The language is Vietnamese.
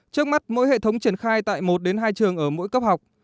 trước mắt mỗi hệ thống triển khai tại một hai trường ở mỗi cấp học